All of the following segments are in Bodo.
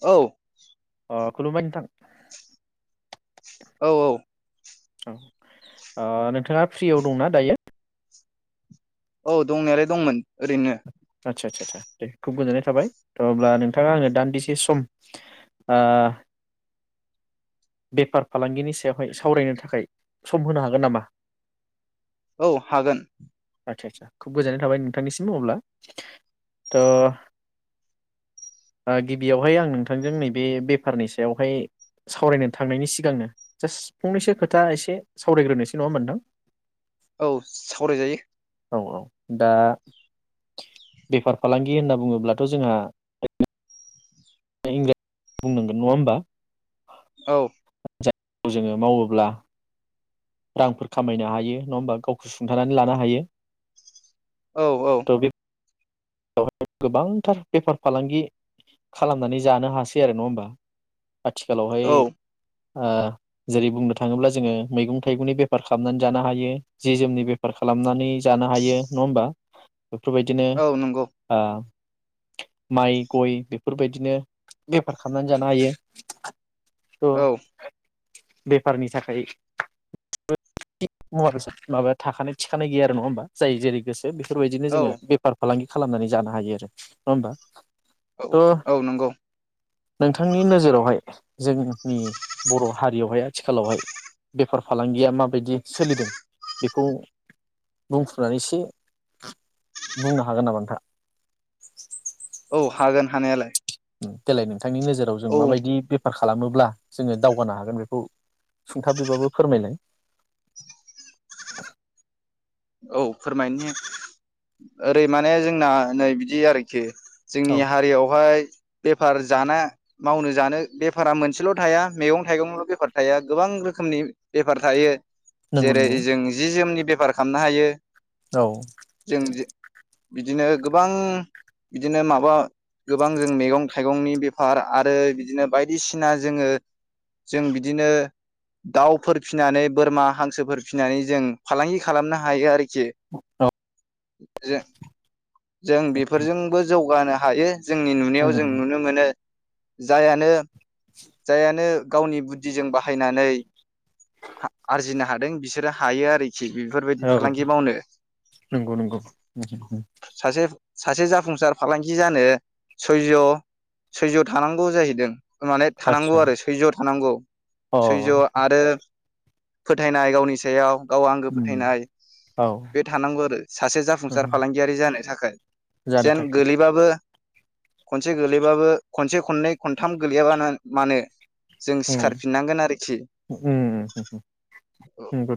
औ अ खुलुमबाय नोंथां औ औ औ नोंथाङा ओ फ्रियाव दंना दायो औ दंनायालाय दंमोन ओरैनो आदसा आदसा आसा दे खुब गोजोननाय थाबाय थ अब्ला नोंथाङा आनो दान्दिसे सम आ बेफार फालांगिनि सायावहाय सावरायनो थाखाय सम होनो हागोन नामा? औ हागोन आदसा आदसा खुब गोजोननाय थाबाय नोंथांनिसिम अब्ला थ ओ गिबियावहाय आं नोंथांजों नैबे बेफारनि सायावहाय सावरायनो थांनायनि सिगांनो जास्ट फंनैसो खोथा एसे सावरायग्रोनोसै नङा होनबा नोंथां औ सावरायजायो औ दा बेफार फालांगि होनना बुङोब्लाथ जोंहा इंराजि बुंनांगोन नङा होमबा औ जोङो मावोब्ला रांफोर खामायनो हायो नङा होमबा गावखौ सुंथानानै लानो हायो औ औ वहाय गोबांथार बेफार फालांगि खालामनानै जानो हासै आरो नङा होमबा आथिखालावहाय औ ओ जेरै बुंनो थाङोब्ला जोङो मैगं थाइगंनि बेफार खालामनानै जानो हायो जि जोमनि बेफार खालामनानै जानो हायो नङा होमबा? बेफोरबायदिनो औ नंगौ आ माइ गय बेफोरबायदिनो बेफार खालामनानै जानो हायो थ' औ बेफारनि थाखाय मुवा बेसाद माबा थाखानाय थिखानाय गैया आरो नङा होमबा जाय जेरै गोसो बेफोरबायदिनो औ जोङो बेफार फालांगि खालामनानै जानो हायो आरो नङा होमबा? औ थ' औ नंगौ नोंथांनि नोजोरावहाय जोंनि बर' हारियावहाय आथिखालावहाय बेफार फालांगिया माबायदि सोलिदों बेखौ बुंफ्रुनानै एसे बुंनो हागोन नामा आ औ हागोन हानायालाय देलाय नों बिथांनि नोजोराव जों औ माबायदि बेफार खालामोब्ला जोङो दावगानो हागोन बेखौ सुंथाबैबाबो फोरमायनाय औ फोरमायनो ओरै माने जोंना नै बिदि आरोखि औ जोंनि हारियावहाय बेफार जाना मावनो जानो बेफारा मोनसेल' थाया मैगं थाइगंल' बेफार थाया गोबां रोखोमनि बेफार थायो नंगौ जेरै नंगौ जों जि जोमनि बेफा खामनो हायो औ जों बिदिनो गोबां बिदिनो माबा गोबां जों मैगं थाइगंनि बेफार आरो बिदिनो बायदिसिना जोङो जों बिदिनो दाउफोर फिसिनानै बोरमा हांसोफोर फिसिनानै जों फालांगि खालामनो हायो आरोखि औ [unintelligible] [unintelligible] जों बेफोरजोंबो जौ जौगानो हायो जोंनि नुनायाव जों नुनो मोनो जायानो जायानो गावनि बुद्धिजों बाहायनानै आरजिनो हादों बिसोरो हायो आरोखि बेफोरबायदि औ फालांगि मावनो नंगौ नंगौ सासे सासे जाफुंसार फालांगि जानो सैज सैज थानांगौ जाहैदों माने थानांगौ आतसा आरो सैज थानांगौ अ सैज आरो फोथायनाय गावनि सायाव गावा [unintelligible] औ बे थानांगौ आरो सासे जाफुंसार फालांगियारि जानो [unintelligible] जानो जेन थाखाय गोलैबाबो खनसे गोलैबाबो खनसे खननै खनथाम गोलैयाबा मानो जों नंगौ सिखारफिननांगोन आरोखि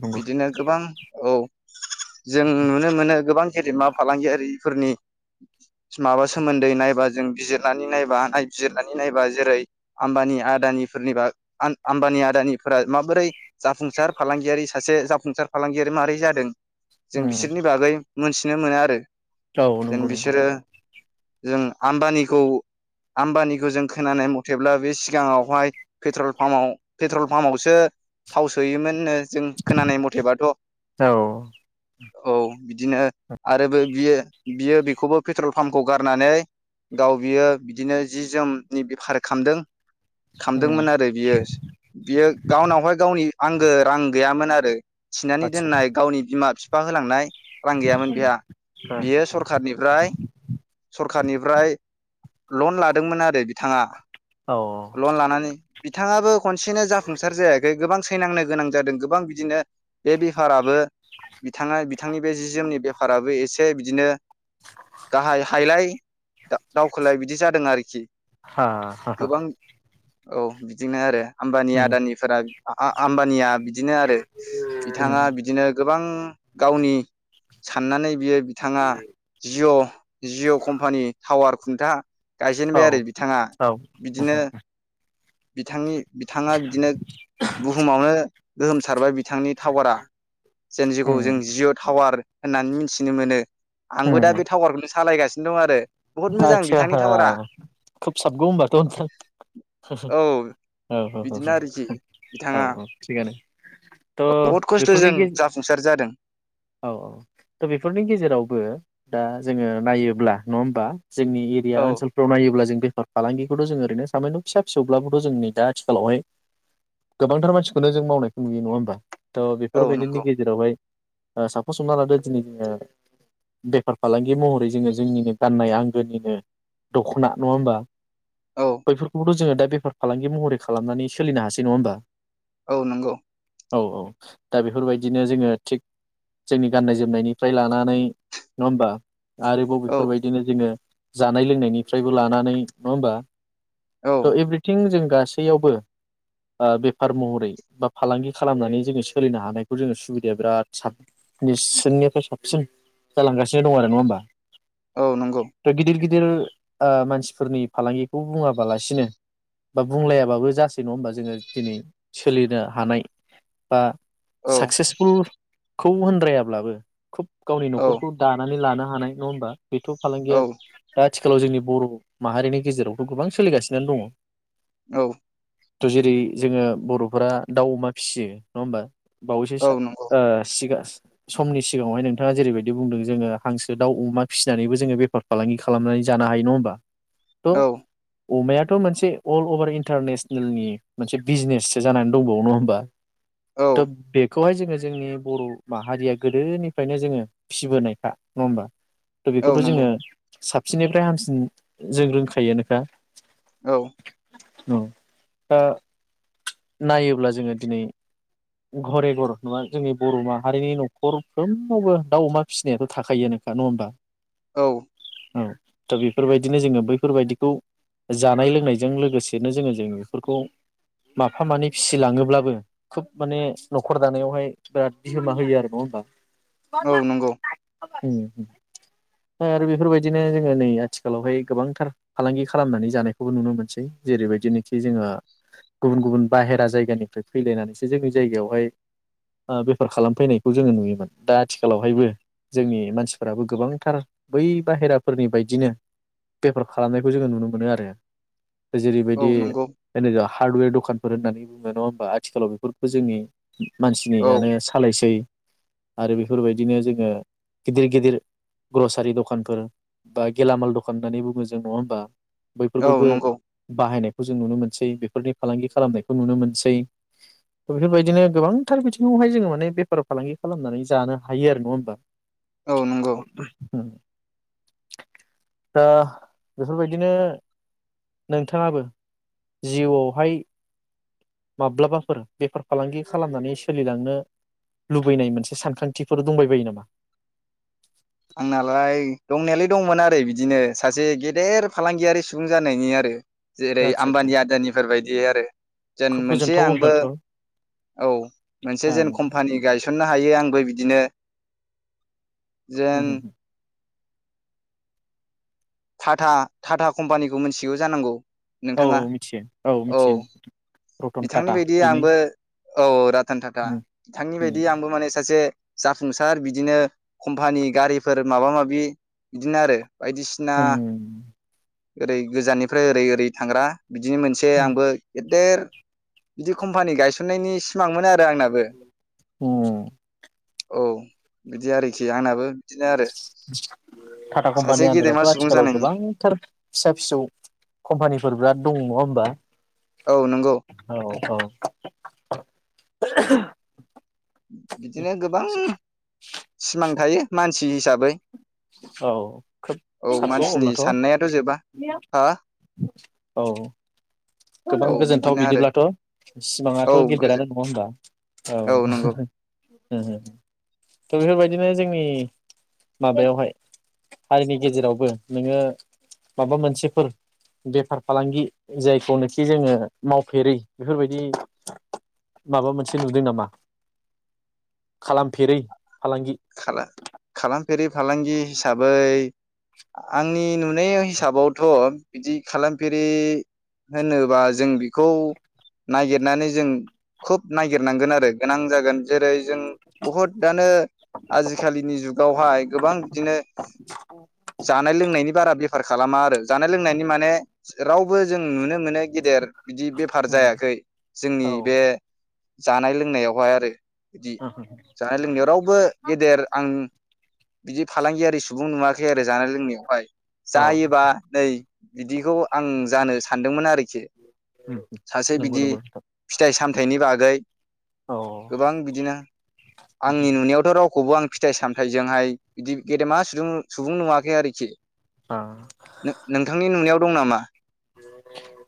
नंगौ बिदिनो गोबां औ जों नुनो मोनो गोबां गेदेरमा फालांगियारिफोरनि माबा सोमोन्दै नायबा जों बिजिरनानै नायबा नायबिजिरनानै नायबा जेरै आम्बानि आदाफोरनिबा आम्बानि आदानिफोरा माबोरै जाफुंसार फालांगियारि सासे जाफुंसार फालांगियारि मारै जादों औ जों बिसोरनि बागै मोनथिनो मोनो आरो औ जेन नंगौ नंगौ बिसोरो जों आमबानिखौ आमबानिखौ जों खोनानाय मथेब्ला बे सिगाङावहाय पेट्रल पाम्पाव पेट्रल पामयावसो थाव सोयोमोनो जों खोनानाय म'थेबा औ औ बिदिनो आरोबो बियो बियो बेखौबो पेट्रल पाम्पखौ गारनानै गाव बियो बिदिनो जि-जोमनि बेफार खालामदों खामदोंमोन आरो बियो बियो गावनावहाय गावनि आंगो रां गैयामोन आरो थिनानै आतसा दोननाय गावनि बिमा बिफा फा होलांनाय रां गैयामोन बेहा औ बियो सरखारनिफ्राय सरखारनिफ्राय लन लादोंमोन आरो थाङा लन लानानै बिथाङाबो खनसेनो जाफुंसार जायाखै गोबां थैनांनो गोनां जादों गोबां बिदिनो बे बेफाराबो बिथाङा बिथांनि बे जि-जोमनि बेफाराबो एसे बिदिनो गाहाय हायलाय दावखोलाय बिदि जादों आरोखि हा हा गोबां औ बिदिनो आरो आमबानि उम आदानिफोरा आमबानिया बिदिनो आरो बिथाङा उम बिदिनो गोबां गावनि साननानै बियो बिथाङा जिअ' जिअ' कम्पानि टावार खुनथा गायजेनबाय औ आरो बिथाङा औ बिदिनो बिथांनि बिथाङा बिदिनो बुहुमावनो गोहोम सारबाय बिथां टावारा जेन जिखौ [unintelligible] जों उम जिअ' टावार होननानै मिथिनो मोनो आंबो दा उम बे टावारखौनो सालायगासिनो दं आरो बहुत मोजां आदसा बिथांनि टावारा खोब साबगौ होनबाथ' औ औ बिदिनो आरोखि औ बिथाङा औ थिगानो थ बहुद बेफोरनि खस्थ'जों गे जाफुंसार जादों औ-औ थ बेफोरनि गेजेरावबो दा जोङो नायोब्ला नङा होमबा जोंनि एरिया औ ओनसोलफ्राव नायोब जों बेफार फालांगिखौथ' जों ओरैनो सामान्य' फिसा फिसौब्लाबोथ' जोंनि दा आथिखालावहाय गोबांथार मानसिखौनो जों मावनायखौ नुयो नङा होमबा त औ बेफोरबायदिनि नंगौ गेजेरावहाय साफस हमना लादो दिनै जोङो बेफार फालांगि महरै जोङो जोंनिनो गाननाय आं गोनिनो दख'ना नङा होमबा औ बैफोरखौबोथ' जोङो दा बेफार फालांगि महरै खालामनानै सोलिनो हासै नङा होमबा औ नंगौ औ-औ दा बेफोरबायदिनो जोङो थिग जोंनि गाननाय जोमनायनिफ्राय लानानै नङा होमबा आरोबाव औ बेफोरबायदिनो जोङो जानाय लोंनायनिफ्रायबो लानानै नङा होमबा औ त' एभ्रिथिं जों गासैयावबो ओ बेफार महरै बा फालांगि खालामनानै जोङो सोलिनो हानायखौ जोङो सुबिदाया बिराद साबनिसिननिफ्राय साबसिन जालांगासिनो दं आरो नङा होमबा औ नंगौ दा गिदिर गिदिर ओ मानसिफोरनि फालांगिखौ बुङाबालासिनो बा बुंलायाबाबो जासै नङा होमबा जोङो दिनै सोलिनो हानाय बा औ साक्सेसफुल खौ होनद्रायाब्लाबो खुब गावनि औ न'खरखौ दानानै लानो हानाय नङा होमबा बेथ' फालांगिया औ दा आथिखालाव जोंनि बर' माहारिनि गेजेरावथ' गोबां सोलिगासिनो दङ औ थ' जेरै जोङो बर'फोरा दाउ अमा फिसियो नङा होमबा बावैसो औ सा नंगौ ओ सिगां समनि सिगाङावहाय नोंथाङा जेरैबायदि बुंदों जोङो हांसो दाउ अमा फिसिनानैबो जोङो बेफार फालांगि खालामनानै जानो हायो नङा होमबा थ' औ अमायाथ' मोनसे अल अभार इन्टारनेसनेलनि मोनसे बिजनेससो जानानै दंबावो होमबा औ थ' बे खौहाय जोङो जोंनि बर' माहारिया गोदोनिफ्रायनो जोङो फिसि बोनायखा नङा होमबा थ' औ बेखौथ' नंगौ जोङो साबसिननिफ्राय हामसिन जों रोंखायो नोखा औ औ ओ नायोब्ला जोङो दिनै घरे घर नङा जोंनि बर' माहारिनि न'खरफ्रोमावबो दाउ अमा फिसिनायाथ' थाखायोनो खा नङा होमबा औ औ दा बेफोरबायदिनो जोङो बैफोरबायदिखौ जानाय लोंनायजों लोगोसेनो जोङो जों बेफोरखौ माफा मानै फिसिलाङोब्लाबो खोब माने न'खर दानायावहाय बिराद बिहोमा होयो आरो नङा होमबा औ नंगौ उम ओमफाय आरो बेफोरबायदिनो जोङो नै आथिखालावहाय गोबांथार फालांगि खालामनानै जानायखौबो नुनो मोनसै जेरैबायदिनोखि जोङो गुबुन गुबुन बाहेरा जायगानिफ्राय फैलायनानै जोंनि जायगायावहाय ओ बेफार खालामफैनायखौ जोङो नुयोमोन दा आथिखालावहायबो जोंनि मानसिफोराबो गोबांथार बै बाहेराफोरनि बायदिनो बेफार खालामनायखौ जोङो नुनो मोनो आरो औ जेरैबायदि नंगौ [unintelligible] हार्डवेर दखानफोर होनानैबो नङा होनबा आथिखालाव बेखौ जोंनि औ मानसिनियानो सालायसै आरो बेफोरबायदिनो जोङो गिदिर गिदिर ग्रसारि दखानफोर बा गेलामाल दखान होननानै बुङो जों नङा होमबा औ बैफोरखौबो नंगौ बाहायनाय खौ जों नुनो मोनसै बेफोरनि फालांगि खालामनायखौ नुनो मोनसै बेफोरबायदिनो गोबांथार बिथिङावहाय जोङो माने बेफार फालांगि खालामनानै जानो हायो आरो नङा होमबा औ नंगौ उ दा बेफोरबायदिनो नोंथाङाबो जिउआवहाय माब्लाबाफोर बेफार फालांगि खालामनानै सोलिलांनो लुबैनाय मोनसे सानखांथिफोर दंबायबायो नामा? आंनालाय दंनायालाय दंमोन आरो बिदिनो सासे गेदेर फालांगियारि सुबुं जानायनि आरो जेरै आदसा आदसा आम्बानि आदानिफोर बायदि आरो जेन खोब मोनसे गोजोनथाव आंबो अब्लाथ' ओं औ मोनसे जेन कम्पानि गायस थिसननो हायो आंबो बिदिनो जेन टाटा टाटा कम्पानिखौ मोनथिगौ जानांगौ औ नोंथाङा औ मिथियो औ मिथियो रतन बिथांनि टाटा बायदि बेनि आंबो औ रतन टाटा बिथांनि बायदि आंबो माने सासे जाफुंसार बिदिनो कम्पानि गारिफोर माबा माबि बिदिनो आरो बायदिसिना ओरै गोजाननिफ्राय ओरै ओरै थांग्रा बिदिनो मोनसे आंबो गेदेर बिदि कम्पानि गायसननायनि सिमांमोन आरो आंनाबो औ बिदि आरोखि आंनाबो बिदिनो आरो टाटा सासे कम्पानि गेदेमा आन्दारावथ' सुबुं आथिखालाव जानायनि गोबांथार फिसा फिसौ कम्पानिफोर बिराद दं नङा होमबा औ नंगौ औ औ [inaudible] बिदिनो गोबां सिमां थायो मानसि हिसाबै औ खोब औ सानथ' मानसिनि अब्लाथ' साननायाथ' जोबा हा औ औ गोबां गोजोनथाव बिदिनो आरो बिदिब्लाथ' औ सिमाङाथ' गोजोन गेदेरानो नङा होनबा औ थ' बेफोरबायदिनो जोंनि माबायावहाय हारिनि गेजेरावबो नोङो माबा मोनसेफोर बेफार फालांगि जायखौ होनो खि जोङो मावफेरै बेफोरबायदि माबा मोनसे नुदों नामा खालामफेरै फालांगि खाला खालामफेरि फालांगि हिसाबै आंनि नुनाय हिसाबावथ' बिदि खालामफेरि होनोबा जों बेखौ नागिरनानै जों खुब नागिरनांगोन आरो गोनां जागोन जेरै जों बुहुत दानो आजिखालिनि जुगावहाय गोबां बिदिनो जानाय लोंनायनि बारा बेफार खालामा आरो जानाय लोंनायनि माने रावबो जों नुनो मोनो गेदेर बिदि बेफार जायाखै औ जोंनि बे जानाय लोंनायावहाय आरो बिदि जानाय लोंनायाव रावबो गेदेर आं बिदि फालांगियारि सुबुं नुवाखै आरो जानाय लोंनायावहाय औ जायोबा नै बिदिखौ आं जानो सानदोंमोन आरोखि सासे नंगौ बिदि नंगौ नोंथां फिथाइ सामथाइनि बागै औ गोबां बिदिनो आंनि नुनायावथ' राव खौबो आं फिथाइ सामथाइजोंहाय बिदि गेदेमा सुदुं सुबुं नुवाखै आरोखि नो नोंथांनि नुनायाव दं नामा?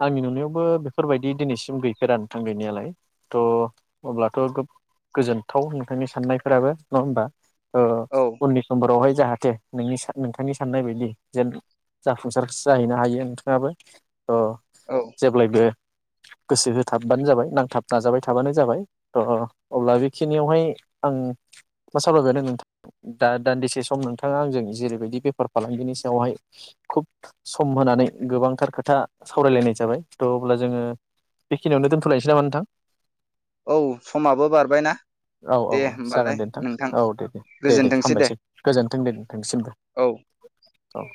आंनि नुनायावबो बेफोरबायदि दिनैसिम गैफेरा नोंथां गैनायालाय थ' अब्लाथ' खोब गोजोनथाव नोंथांनि साननायफोराबो नङा होमबा ओ औ उननि समफोरावहाय जाहाथे नोंनि नोंथांनि साननाय बायदि जेन जाफुंसार जाहैनो हायो नोंथाङाबो [inaudible] थ' औ जेब्लायबो गोसो होथाबबानो जाबाय नांथाब नाजाबाय थाबानो जाबाय थ' अब्ला बेखिनियावहाय आं मा सावरायगदों नोंथां दा दान्दिसे सम नोंथाङा आंजों जेरैबायदि बेफार फालांगिनि सायावहाय खुब सम होनानै गोबांथार खोथा सावरायलायनाय जाबाय थ' अब्ला जोङो बेखिनियावनो दोनथ'लायनोसै नामा नोंथां औ समाबो बारबायना औ औ दे औ जागोन होमबालाय दे नोंथां औ दे दे दे दे हामबायसै गोजोन्थों दे नोंथांनिसिम औ। औ